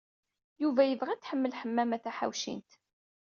Yuba yebɣa ad t-tḥemmel Ḥemmama Taḥawcint.